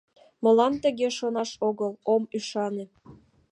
Молан тыге шонаш огыл?» «Ом ӱшане».